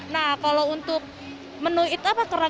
nah kalau untuk menu itu apa kerang